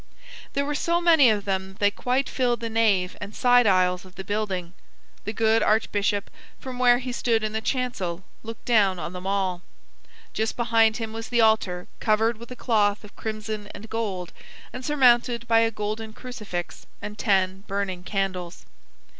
There were so many of them that they quite filled the nave and side aisles of the building. The good archbishop, from where he stood in the chancel, looked down on them all. Just behind him was the altar covered with a cloth of crimson and gold, and surmounted by a golden crucifix and ten burning candles.